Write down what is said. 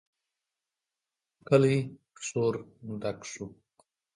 کلی پر شور ډک شو.